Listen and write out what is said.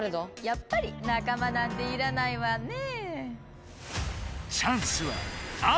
やっぱり仲間なんていらないわね。